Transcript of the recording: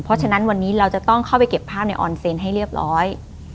เพราะฉะนั้นวันนี้เราจะต้องเข้าไปเก็บภาพในออนเซนให้เรียบร้อย